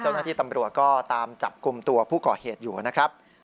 เจ้าหน้าที่ตำรวจก็ตามจับกลุ่มตัวผู้ก่อเหตุอยู่นะครับ